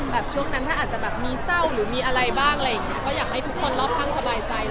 ถ้าช่วงนั้นอาจจะแบบมีเต้าหรือมีอะไรบ้างเลยก็อยากให้ทุกคนรอบทางสบายใจ